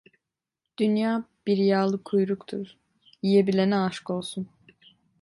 Dünya bir yağlı kuyruktur; yiyebilene aşk olsun.